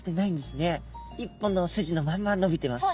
一本の筋のまんまのびてます。